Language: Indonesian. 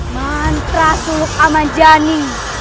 mantra suluk amanjani